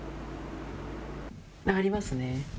ありますね。